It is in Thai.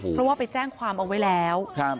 เพราะว่าไปแจ้งความเอาไว้แล้ว